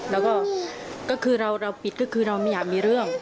แล้วก็ก็คือเราปิดก็คือเราไม่อยากมีเรื่อง